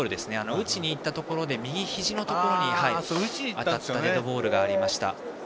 打ちにいったところで右ひじのところに当たったデッドボールでした。